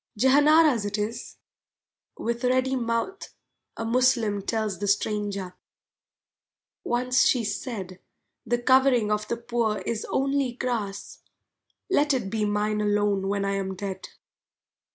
"Jehanara's it is," with ready mouth A Moslem tells the stranger, "once she said, 'The covering of the poor is only grass, Let it be mine alone when I am dead.'"